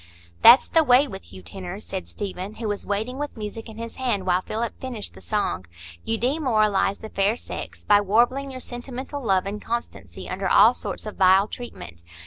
"That's the way with you tenors," said Stephen, who was waiting with music in his hand while Philip finished the song. "You demoralise the fair sex by warbling your sentimental love and constancy under all sorts of vile treatment.